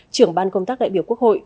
trưởng ban công tác đại biểu quốc hội